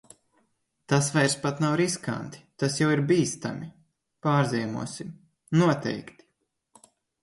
Tas vairs pat nav riskanti, tas jau ir bīstami! Pārziemosim. Noteikti!